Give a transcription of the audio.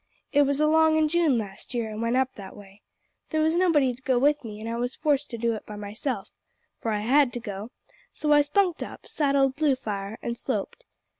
It was along in June last year I went up that way; there was nobody to go with me, an' I was forced to do it by myself for I had to go so I spunked up, saddled Bluefire, an' sloped.